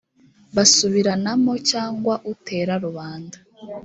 basubiranamo cyangwa utera rubanda